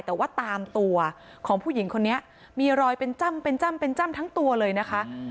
แต่ว่าตามตัวของผู้หญิงคนนี้มีรอยเป็นจ้ำเป็นจ้ำเป็นจ้ำทั้งตัวเลยนะคะ